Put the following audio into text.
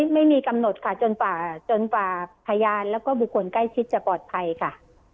ไม่มีกำหนดค่ะจนกว่าพยานแล้วก็บุคคลใกล้ชิดจะปลอดภัยค่ะ